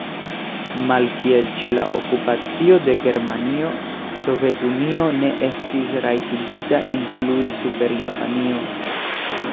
Malkiel ĉe la Okupacio de Germanio, Sovetunio ne estis rajtigita influi super Japanio.